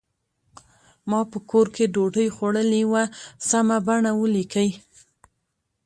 ما په کور کې ډوډۍ خوړلې وه سمه بڼه ولیکئ.